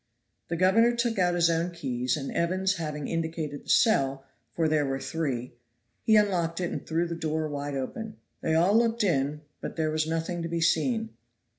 The governor took out his own keys, and Evans having indicated the cell, for there were three, he unlocked it and threw the door wide open. They all looked in, but there was nothing to be seen.